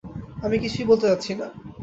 আমি কিছুই বলতে চাচ্ছি না।